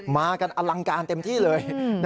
มากันอลังการเต็มที่เลย